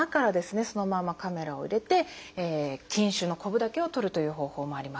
そのままカメラを入れて筋腫のコブだけを取るという方法もあります。